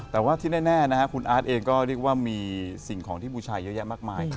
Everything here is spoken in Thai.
แต่ว่าที่แน่คุณอาร์ตเองก็เรียกว่ามีสิ่งของที่บูชายเยอะแยะมากมาย